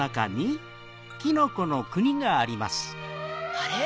あれ？